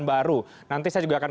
baru nanti saya juga akan